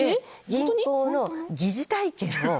銀行の疑似体験をやる。